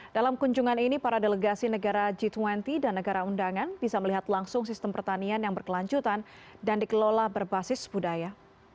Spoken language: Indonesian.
dalam kunjungan ini para delegasi negara g dua puluh dan negara undangan bisa melihat langsung sistem pertanian yang berkelanjutan dan dikelola berbasis budaya